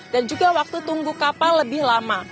juga waktu tunggu kapal lebih lama